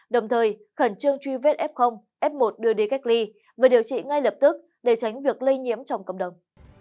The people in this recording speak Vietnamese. đồng thời khẩn trương truy vết f f một đưa đi cách ly và điều trị ngay lập tức để tránh việc lây nhiễm trong cộng đồng